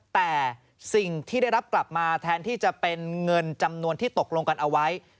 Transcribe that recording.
แต่สิ่งที่ได้รับกลับมาแทนที่จะเป็นเงินจำนวนที่ตกลงกันเอาไว้